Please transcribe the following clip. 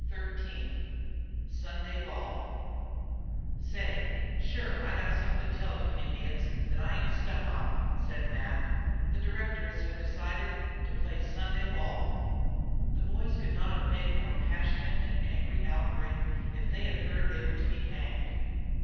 CHAPTER XIII SUNDAY BALL "Say, shure I got somethin' to tell you Indians thet I ain't stuck on," said Mac. "The directors hev decided to play Sunday ball!" The boys could not have made a more passionate and angry outbreak if they had heard they were to be hanged.